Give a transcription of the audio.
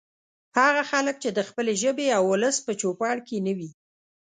هغه خلک چې د خپلې ژبې او ولس په چوپړ کې نه وي